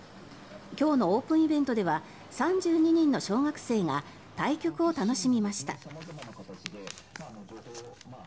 今日のオープンイベントでは３２人の小学生が対局を楽しみました。